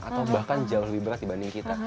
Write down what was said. atau bahkan jauh lebih berat dibanding kita